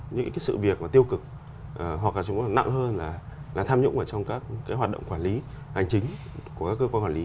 những cái sự việc tiêu cực hoặc là chúng ta nặng hơn là tham nhũng trong các hoạt động quản lý hành chính của các cơ quan quản lý